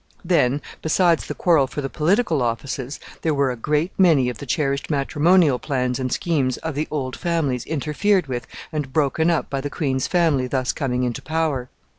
Then, besides the quarrel for the political offices, there were a great many of the cherished matrimonial plans and schemes of the old families interfered with and broken up by the queen's family thus coming into power.